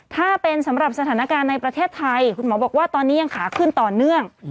ถ้าเป็นสำหรับสถานการณ์ในประเทศไทยคุณหมอบอกว่าตอนนี้ยังขาขึ้นต่อเนื่อง